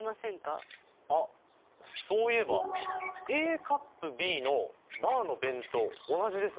あっそういえばＡ∪Ｂのバーのベン図と同じですね。